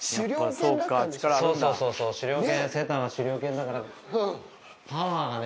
そうそうそう、狩猟犬、セッターは狩猟犬だからパワーがね。